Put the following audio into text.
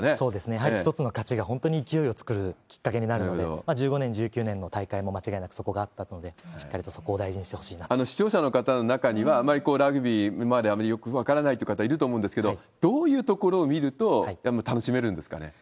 やはり１つの勝ちが、本当に勢いを作るきっかけになるので、本当に１５年、１９年の大会も間違いなくそこがあったので、しっかり視聴者の方の中には、あまりラグビー、今まであまりよく分からないっていう方いると思うんですけど、どういうところを見ると、楽しめるんですかね？